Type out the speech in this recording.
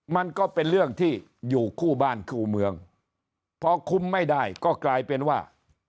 มันก็เป็นเรื่องที่อยู่คู่บ้านคู่เมืองพอคุมไม่ได้ก็กลายเป็นว่า